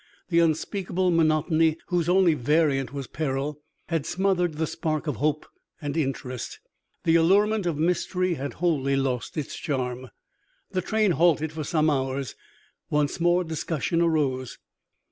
The unspeakable monotony, whose only variant was peril, had smothered the spark of hope and interest. The allurement of mystery had wholly lost its charm. The train halted for some hours. Once more discussion rose.